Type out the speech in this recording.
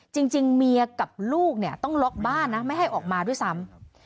จริงเมียกับลูกเนี่ยต้องล็อกบ้านนะไม่ให้ออกมาด้วยซ้ำ